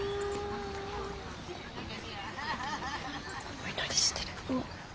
お祈りしてる。